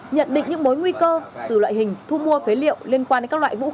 nhận định những mối nguy cơ từ loại hình thu mua phế liệu liên quan đến các loại vũ khí và liệu nổ